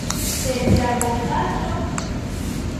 Sed la bopatro…